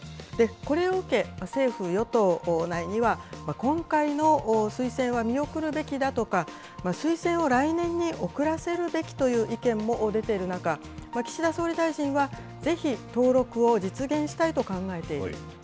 これを受け、政府・与党内には、今回の推薦は見送るべきだとか、推薦を来年に遅らせるべきという意見も出ている中、岸田総理大臣はぜひ登録を実現したいと考えている。